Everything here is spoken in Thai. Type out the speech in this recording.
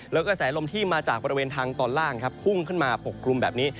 แล้วก็แสลมที่มาจากบริเวณทางตอนล่างครับพุ่งขึ้นมาปกกลุ่มแบบนี้